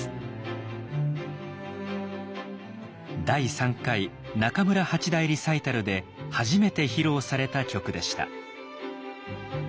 第３回中村八大リサイタルで初めて披露された曲でした。